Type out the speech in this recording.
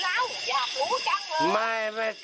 นึกได้กี่ไหว่แต่ไหว่อีก